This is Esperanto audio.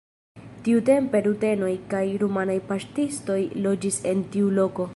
Tiutempe rutenoj kaj rumanaj paŝtistoj loĝis en tiu loko.